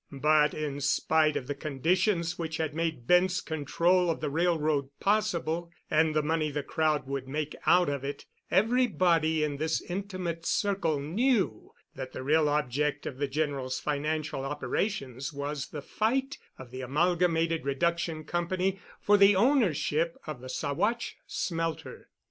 But in spite of the conditions which had made Bent's control of the railroad possible and the money the crowd would make out of it, everybody in this intimate circle knew that the real object of the General's financial operations was the fight of the Amalgamated Reduction Company for the ownership of the Saguache Smelter.